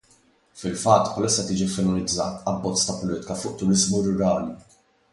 Fil-fatt bħalissa qed jiġi finalizzat abbozz ta' politika fuq turiżmu rurali.